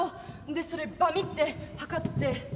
んでそれバミって測って。